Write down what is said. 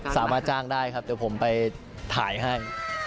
สามารถจ้างได้ครับเดี๋ยวผมไปถ่ายให้